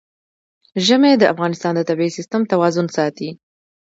ژمی د افغانستان د طبعي سیسټم توازن ساتي.